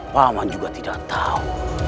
paman juga tidak tahu